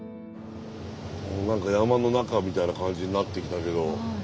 何か山の中みたいな感じになってきたけど。